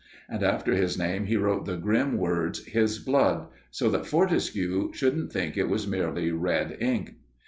And after his name he wrote the grim words "his blood," so that Fortescue shouldn't think it was merely red ink.